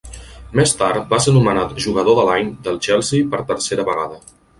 Més tard va ser nomenat Jugador de l'Any del Chelsea per tercera vegada.